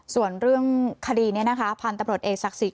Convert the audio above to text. ส่วนเรื่องคดีนี้นะคะพันตะโปรดเอกศักดิ์ศรี